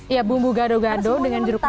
iya bumbu gado gado dengan jeruk pipih